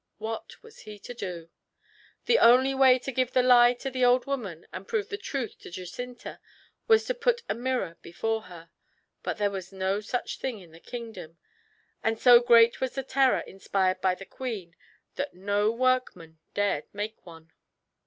What was he to do? The only way to give the lie to the old woman and prove the truth to Jacinta was to put a mirror before her. But there was no such thing in the kingdom, and so great was the terror inspired by the queen that no workman dared make one.